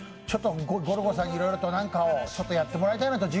ゴルゴさん、いろいろ授業をやってもらいたいなと。